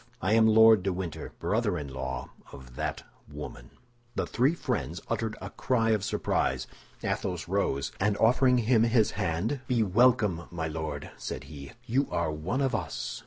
I am Lord de Winter, brother in law of that woman." The three friends uttered a cry of surprise. Athos rose, and offering him his hand, "Be welcome, my Lord," said he, "you are one of us."